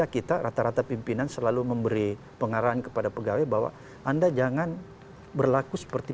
kita rata rata pimpinan selalu memberi pengarahan kepada pegawai bahwa anda jangan berlaku seperti